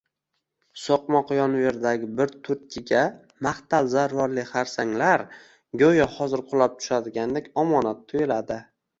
Soʼqmoq yon-veridagi bir turtkiga mahtal zalvorli xarsanglar goʼyo hozir qulab tushadigandek omonat tuyuladi.